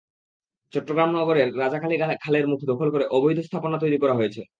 চট্টগ্রাম নগরের রাজাখালী খালের মুখ দখল করে অবৈধ স্থাপনা তৈরি করা হয়েছে।